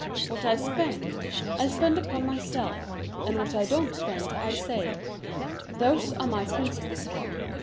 What I spend, I spend upon myself; and wliat I don't spend I save. Those are my principles.